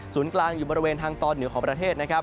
ศูนย์กลางอยู่บริเวณทางตอนเหนือของประเทศ